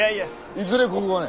いずれここはね